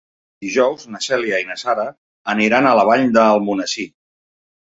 Dijous na Cèlia i na Sara aniran a la Vall d'Almonesir.